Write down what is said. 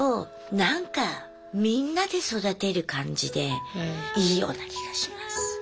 なんかみんなで育てる感じでいいような気がします。